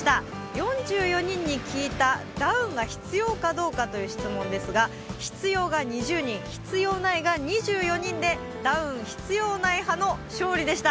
４４人に聞いたダウンが必要かどうかという質問ですが必要が２０人、必要ないが２４人でダウン必要ない派の勝利でした。